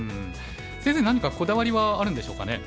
先生何かこだわりはあるんでしょうかね。